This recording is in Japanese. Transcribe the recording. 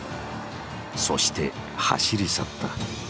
そして走り去った。